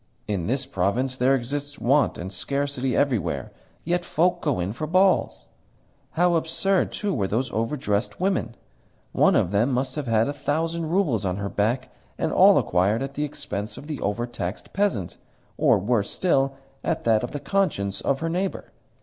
In this province there exist want and scarcity everywhere: yet folk go in for balls! How absurd, too, were those overdressed women! One of them must have had a thousand roubles on her back, and all acquired at the expense of the overtaxed peasant, or, worse still, at that of the conscience of her neighbour.